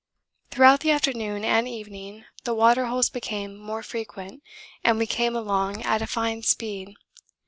Throughout the afternoon and evening the water holes became more frequent and we came along at a fine speed.